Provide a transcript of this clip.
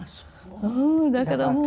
うんだからもう。